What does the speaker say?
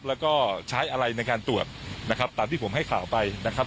แล้วก็ใช้อะไรในการตรวจนะครับตามที่ผมให้ข่าวไปนะครับ